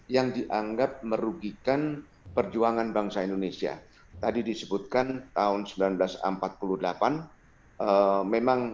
yang dianggap merugikan perjuangan bangsa indonesia tadi disebutkan tahun seribu sembilan ratus empat puluh delapan memang